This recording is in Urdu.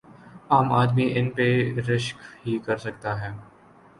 عام آدمی ان پہ رشک ہی کر سکتا ہے۔